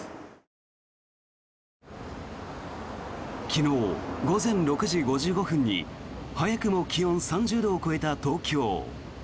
昨日午前６時５５分に早くも気温３０度を超えた東京。